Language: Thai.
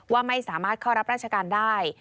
ว่าไม่สามารถเข้ารับราชการได้